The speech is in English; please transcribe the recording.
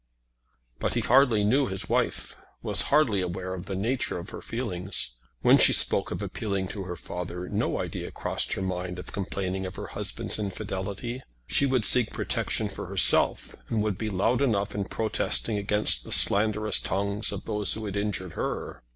But he hardly knew his wife was hardly aware of the nature of her feelings. When she spoke of appealing to her father, no idea crossed her mind of complaining of her husband's infidelity. She would seek protection for herself, and would be loud enough in protesting against the slanderous tongues of those who had injured her.